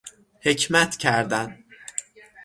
حکمت کردن